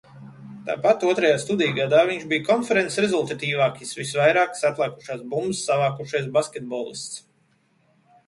Tāpat otrajā studiju gadā viņš bija konferences rezultatīvākis, visvairāk atlēkušās bumbas savākušais basketbolists.